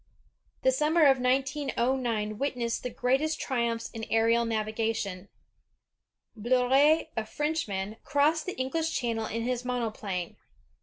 The summer of 1909 witnessed the greatest triumphs in aerial navigation. Bleriot, a Frenchman, crossed the EngUsh Channel in his monoplane.